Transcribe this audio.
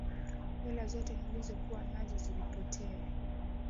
Hela zote nilizokuwa nazo zilipotea.